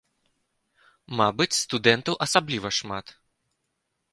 Мабыць, студэнтаў асабліва шмат.